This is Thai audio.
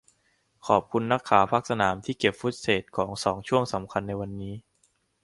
ขอบคุณนักข่าวภาคสนามที่เก็บฟุตเทจของสองช่วงสำคัญในวันนี้